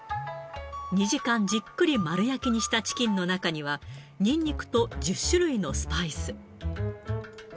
２時間じっくり丸焼きにしたチキンの中には、ニンニクと１０種類のスパイス。